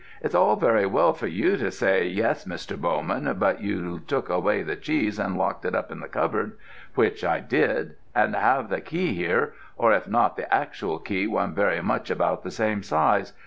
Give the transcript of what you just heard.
"It's all very well for you to say, 'Yes, Mr. Bowman, but you took away the cheese and locked it up in the cupboard,' which I did, and have the key here, or if not the actual key one very much about the same size.